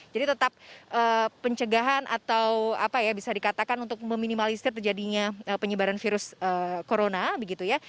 jadi tetap pencegahan atau apa ya bisa dikatakan untuk meminimalisir terjadinya penyebaran virus corona begitu ya